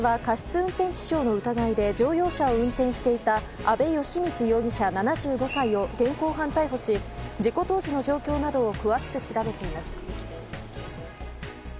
運転致傷の疑いで阿部資満容疑者、７５歳を現行犯逮捕し事故当時の状況などを詳しく調べています。